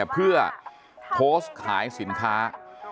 เพื่อโพสต์ขายสินค้า